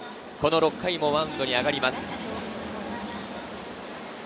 ６回もマウンドに上がります。